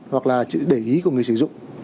hoặc là chữ để ý của người sử dụng